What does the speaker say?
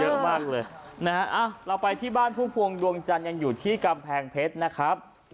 เยอะมากเลยนะฮะเราไปที่บ้านพุ่มพวงดวงจันทร์ยังอยู่ที่กำแพงเพชรนะครับ